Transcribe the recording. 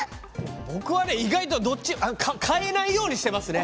僕はね、意外と変えないようにしてますね。